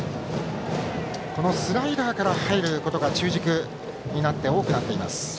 スライダーから入ることが中軸になって多くなっています。